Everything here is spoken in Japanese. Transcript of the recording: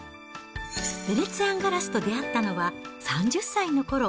ヴェネツィアンガラスと出会ったのは３０歳のころ。